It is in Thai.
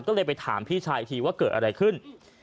ก็เลยไปถามพี่ชายอีกทีว่าเกิดอะไรขึ้น